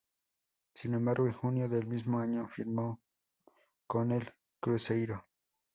Sin embargo, en junio del mismo año, firmó con el Cruzeiro.